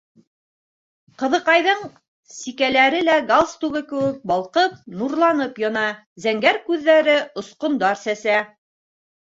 Ҡыҙыҡайҙың сикәләре лә галстугы кеүек балҡып, нурланып яна, зәңгәр күҙҙәре осҡондар сәсә.